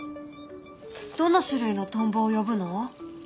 どの種類のトンボを呼ぶの？